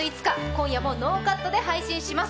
今夜もノーカットで配信します。